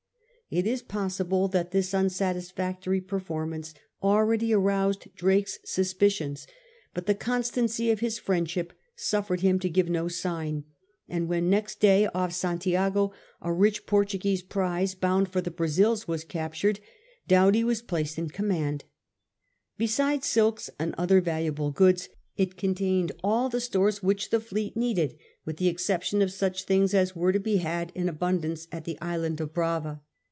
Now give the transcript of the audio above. It is possible that this unsatisfactory performance already aroused Drake's suspicions, but the constandy of his friendship suffered him to give no sign ; and when next day off St. lago a rich Portuguese prize bound for the Brazils was captured, Doughty was placed in command. Besides silks and other valuable goods, it contAned all the stores which the fleet needed, with the exception of such things as were to be had in abundance at the island of Brava.